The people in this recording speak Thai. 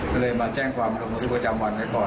ก็เลยมาแจ้งความลงทิวประจำวันแหละก่อน